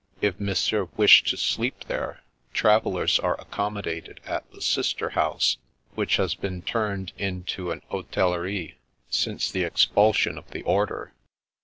If Mon sieur wished to sleep there, travellers are accom modated at the Sister House, which has been turned into an hotellerie since the expulsion of the Order."